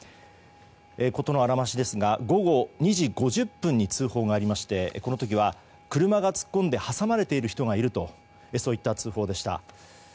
ことのあらましですが午後２時５０分に通報がありましてこの時は、車が突っ込んで挟まれている人がいるとそういった通報でした。